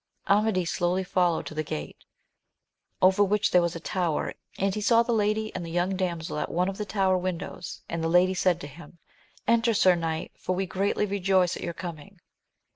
Amadis slowly followed to the gate, over which there was a tower, and he saw the lady and the young damsel at one of the tower windows, and the lady said to him. Enter, sir knight, for we greatly rejoice at your coming.